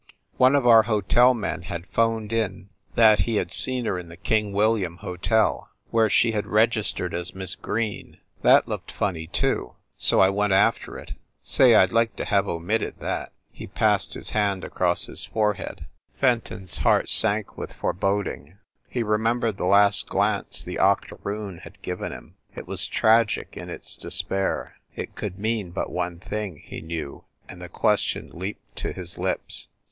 One of our hotel men had phoned in that he had seen her in the King William Hotel, where she had registered as Miss Green. That looked funny, too, so I went after it. Say, I d like to have omitted that." He passed his hand across his fore head. 304 FIND THE WOMAN Fenton s heart sank with foreboding. He re membered the last glance the octoroon had given him it was tragic in its despair. It could mean but one thing, he knew, and the question leaped to his lips.